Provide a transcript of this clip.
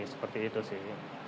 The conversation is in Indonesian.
seperti itu sih